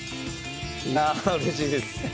いやあうれしいです。